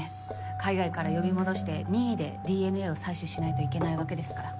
海外から呼び戻して任意でＤＮＡを採取しないといけないわけですから。